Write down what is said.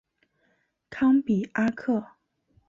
康比阿克。